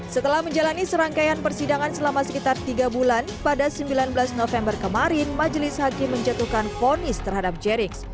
setelah menjalani serangkaian persidangan selama sekitar tiga bulan pada sembilan belas november kemarin majelis hakim menjatuhkan fonis terhadap jerings